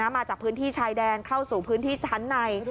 มาจากพื้นที่ชายแดนเข้าสู่พื้นที่ชั้นใน